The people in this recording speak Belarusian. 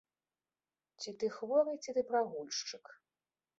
Ці ты хворы, ці ты прагульшчык?